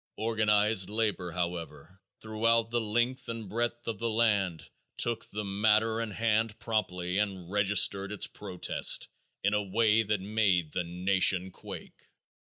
Organized labor, however, throughout the length and breadth of the land, took the matter in hand promptly and registered its protest in a way that made the nation quake.